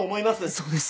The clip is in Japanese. そうです。